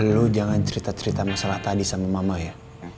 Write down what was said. lu jangan cerita cerita masalah tadi sama mama ya